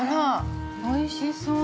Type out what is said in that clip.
◆おいしそう。